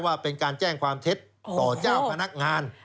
ว่าเป็นการแจ้งความเท็จต่อเจ้าพนักงาน